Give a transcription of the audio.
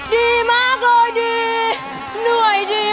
ดีมากเลยดี